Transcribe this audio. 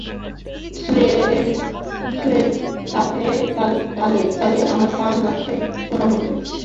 সুরের তালে তালে আমার পা নাচছে, সোনামণি।